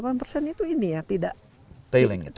tailing itu menjadi tailing